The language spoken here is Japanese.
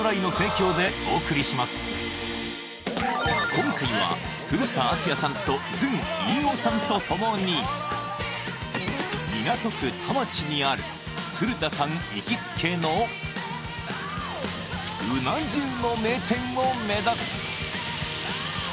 今回は古田敦也さんとずん飯尾さんと共に港区田町にある古田さん行きつけのうな重の名店を目指す！